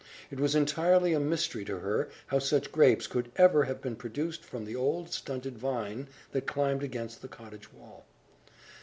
It was entirely a mystery to her how such grapes could ever have been produced from the old stunted vine that climbed against the cottage wall.